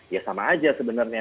ya sama saja sebenarnya